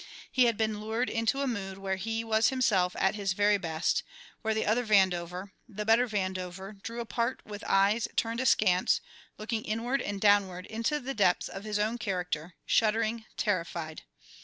He had been lured into a mood where he was himself at his very best, where the other Vandover, the better Vandover, drew apart with eyes turned askance, looking inward and downward into the depths of his own character, shuddering, terrified.